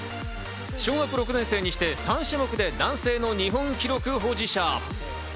小学６年生にして３種目で男性の日本記録保持者。